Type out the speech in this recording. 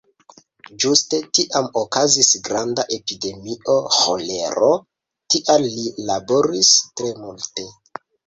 Ĝuste tiam okazis granda epidemio ĥolero, tial li laboris tre multe.